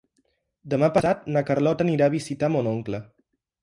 Demà passat na Carlota anirà a visitar mon oncle.